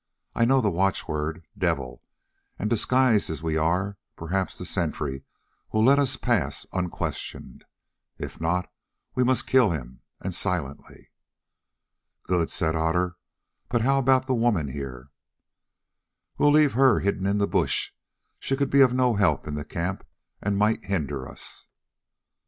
I know the watchword, 'Devil,' and disguised as we are, perhaps the sentry will let us pass unquestioned. If not, we must kill him, and silently." "Good," said Otter, "but how about the woman here?" "We will leave her hidden in the bush; she could be of no help in the camp and might hinder us."